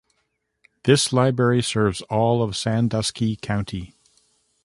This library serves all of Sandusky County.